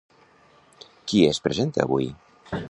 Qui es presenta avui?